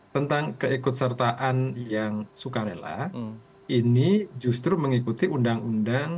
tentang keikutsertaan yang sukarela ini justru mengikuti undang undang